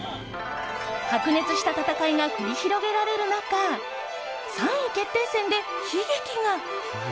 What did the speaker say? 白熱した戦いが繰り広げられる中３位決定戦で悲劇が。